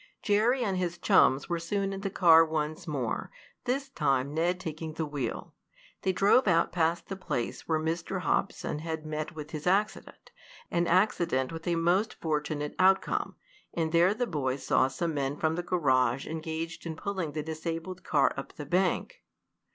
Jerry and his chums were soon in the car once more, this time Ned taking the wheel. They drove out past the place where Mr. Hobson had met with his accident an accident with a most fortunate outcome and there the boys saw some men from the garage engaged in pulling the disabled car up the bank.